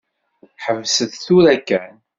Ḥebset tura kan.